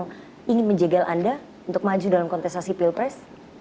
yang ingin menjegal anda untuk maju dalam kontestasi pilpres